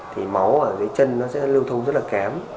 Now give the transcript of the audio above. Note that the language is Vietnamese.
thì máu ở dưới chân nó sẽ lưu thông rất là kém